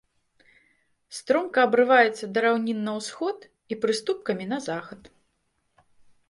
Стромка абрываецца да раўнін на ўсход і прыступкамі на захад.